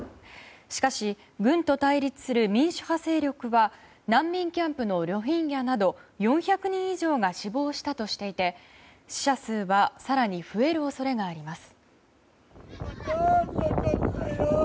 しかし、軍と対立する民主派勢力は難民キャンプのロヒンギャなど４００人以上が死亡したとしていて、死者数は更に増える恐れがあります。